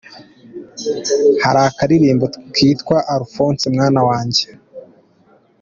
Hari akaririmbo kitwa: “Alphonse mwana wanjye.